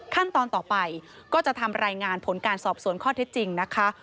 ขั้นตอนต่อไปก็จะทำรายงานผลการสอบสวนข้อเท็จจริงนะคะ